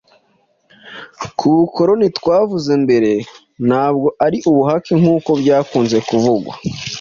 k'ubukoloni twavuze mbere, ntabwo ari ubuhake nk'uko byakunze kuvugwa,